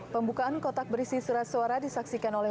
pembukaan kotak berisi surat suara disaksikan oleh